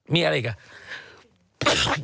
มีอะไรอีกอ่ะ